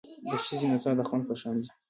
د ښې نڅا د خوند په شان دی.